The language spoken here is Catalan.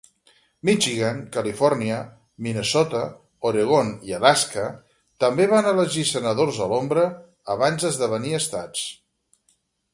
Michigan, Califòrnia, Minnesota, Oregon i Alaska també van elegir senadors a l'ombra abans d'esdevenir estats.